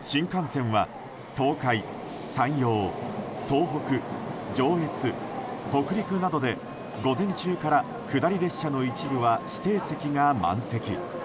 新幹線は東海、山陽東北、上越、北陸などで午前中から下り列車の一部は指定席が満席。